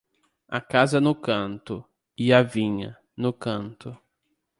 A casa no canto; e a vinha, no canto.